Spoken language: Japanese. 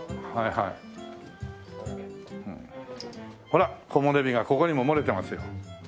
ほら木漏れ日がここにも漏れてますよ。